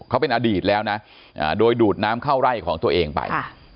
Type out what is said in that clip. เขาเป็นอดีตแล้วนะโดยดูดน้ำเข้าไร่ของตัวเองไป